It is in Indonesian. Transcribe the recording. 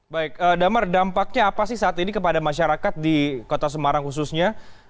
baik damar dampaknya apa sih saat ini kepada masyarakat di kota semarang khususnya